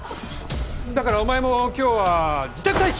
だからお前も今日は自宅待機！